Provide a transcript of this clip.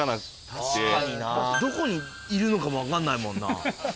確かになどこにいるのかも分かんないもんな。